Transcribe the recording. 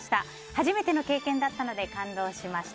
初めての経験だったので感動しました。